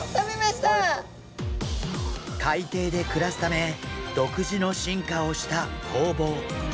海底で暮らすため独自の進化をしたホウボウ。